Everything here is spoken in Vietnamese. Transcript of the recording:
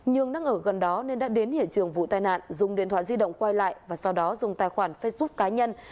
nhường đang ở gần đó nên đã đến hiện trường vụ tai nạn dùng điện thoại di động quay lại và sau đó dùng tài khoản facebook cá nhân